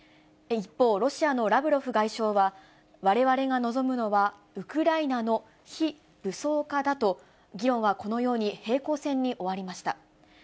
一方、ロシアのラブロフ外相は、われわれが望むのはウクライナの非武装化だと、議論はこのように平行線に終わりました。